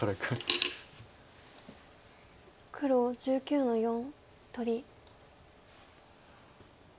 黒１９の四取り。